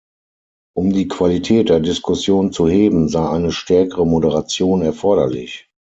Um die Qualität der Diskussion zu heben, sei eine stärkere Moderation erforderlich.